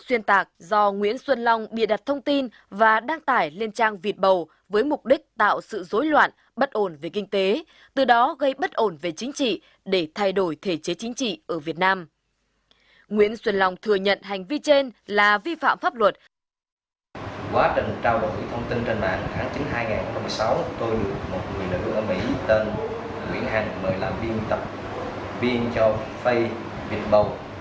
quá trình trao đổi thông tin trên mạng tháng chín năm hai nghìn một mươi sáu tôi được một người nữ ở mỹ tên nguyễn hằng mời làm viên tập viên cho facebook việt bầu